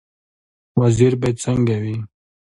وزیر باید څنګه وي؟